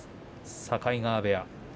境川部屋。